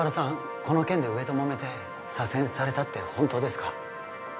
この件で上ともめて左遷されたって本当ですか？